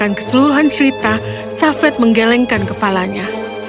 dia menyebarkan keseluruhan cerita safed menggelengkan kepalanya